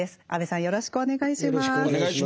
よろしくお願いします。